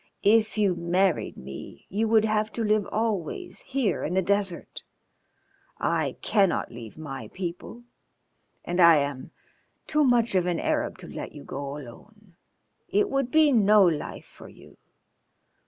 "If you married me you would have to live always here in the desert. I cannot leave my people, and I am too much of an Arab to let you go alone. It would be no life for you.